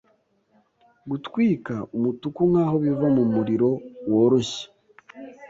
Gutwika umutuku nkaho biva mu muriro woroshye